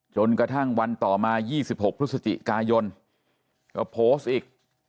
จนกระทั่งวันต่อมา๒๖พฤศจิกายนก็โพสต์อีก